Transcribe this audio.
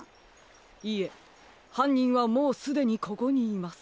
いえはんにんはもうすでにここにいます。